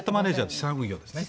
資産運用ですね。